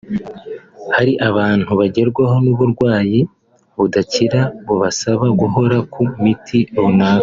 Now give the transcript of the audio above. Hari abantu bagerwaho n’uburwayi budakira bubasaba guhora ku miti runaka